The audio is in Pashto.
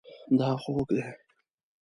دا خوږ دی